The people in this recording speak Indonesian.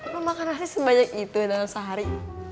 lo makan nasi sebanyak itu dalam sehari